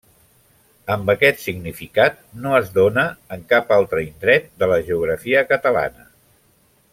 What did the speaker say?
Amb aquest significat, no es dóna en cap altre indret de la geografia catalana.